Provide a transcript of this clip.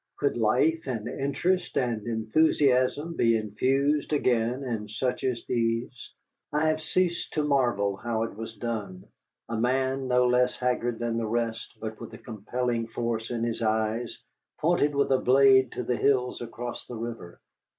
Could life and interest and enthusiasm be infused again in such as these? I have ceased to marvel how it was done. A man no less haggard than the rest, but with a compelling force in his eyes, pointed with a blade to the hills across the river.